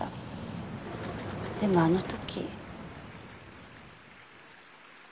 でもあの時。